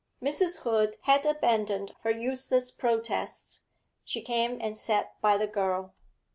Mrs. Hood had abandoned her useless protests; she came and sat by the girl.